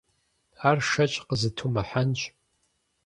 Ар шэч къызытумыхьэнщ.